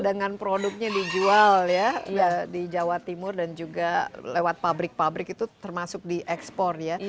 dengan produknya dijual ya di jawa timur dan juga lewat pabrik pabrik itu termasuk diekspor ya